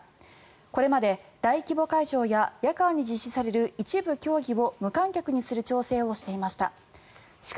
これまで大規模会場や夜間に実施される一部の競技を無観客にする調整をしていました。